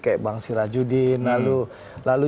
kayak bang sirajudin lalu